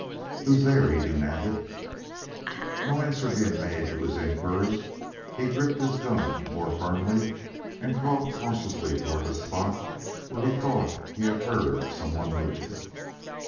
"Who's there?" he demanded. No answer being made to his inquiry, he gripped his gun more firmly and crawled cautiously toward the spot where he thought he had heard some one moving.